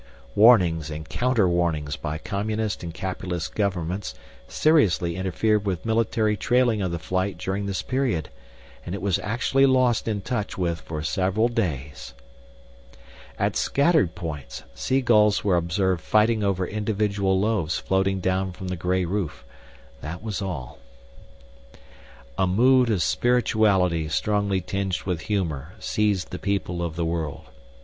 Warnings and counterwarnings by Communist and Capitalist governments seriously interfered with military trailing of the flight during this period and it was actually lost in touch with for several days. At scattered points, seagulls were observed fighting over individual loaves floating down from the gray roof that was all. A mood of spirituality strongly tinged with humor seized the people of the world.